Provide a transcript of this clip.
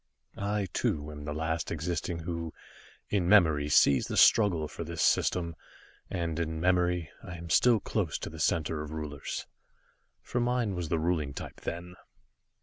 I, too, am the last existing who, in memory, sees the struggle for this System, and in memory I am still close to the Center of Rulers, for mine was the ruling type then.